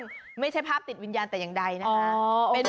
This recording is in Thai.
ไม่ใช่ภาพติดวิญญาณแต่อย่างใดนะคะ